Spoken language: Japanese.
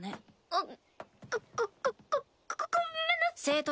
あっ。